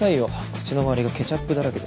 口の周りがケチャップだらけです。